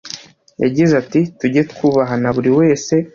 Yagize ati “Tujye twubahana buri wese